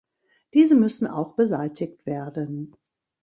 Diese müssen auch beseitigt werden.